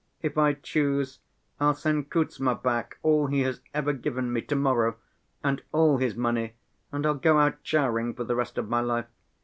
If I choose, I'll send Kuzma back all he has ever given me, to‐morrow, and all his money and I'll go out charing for the rest of my life.